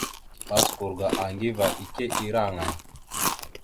Baskur ga Aŋgiva ike ira aŋay?